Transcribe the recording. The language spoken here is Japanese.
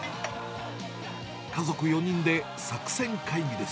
家族４人で作戦会議です。